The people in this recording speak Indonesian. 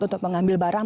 untuk mengambil barang